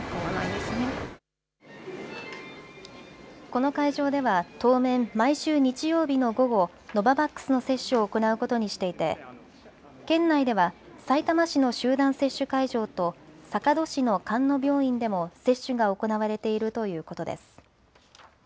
この会場では当面、毎週日曜日の午後、ノババックスの接種を行うことにしていて県内ではさいたま市の集団接種会場と坂戸市の菅野病院でも接種が行われているということです。